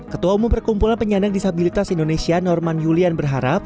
ketua umum perkumpulan penyandang disabilitas indonesia norman julian berharap